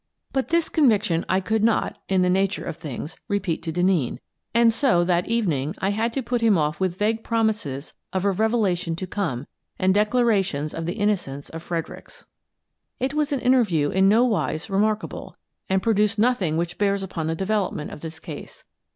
But this conviction I could not — in the nature of things — repeat to Denneen, and so, that evening, I had to put him off with vague promises of a reve jo8 I Try the Third Degree 209 lation to come and declarations of the innocence of Fredericks. It was an interview in no wise remark able, and produced nothing which bears upon the development of this case.